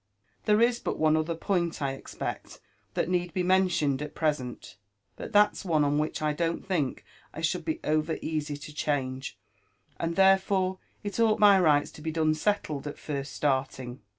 There is but one other point, 1 expect, that need be mentioned at present; but that's one on which I don't think I should be over easy to change, and therefore it ought by rights to be done settled at first starting.